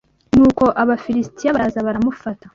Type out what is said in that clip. Nuko Abafilisitiya baraza baramufata